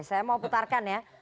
saya mau putarkan ya